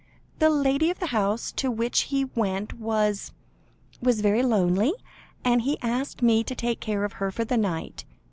"The lady of the house to which he went, was was very lonely, and he asked me to take care of her for the night.